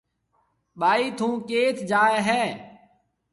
ٻائِي ٿُون ڪيٿ جائي هيَ۔